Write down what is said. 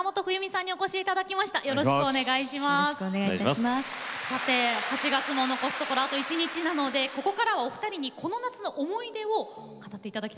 さて８月も残すところあと１日なのでここからはお二人にこの夏の思い出を語って頂きたいと思います。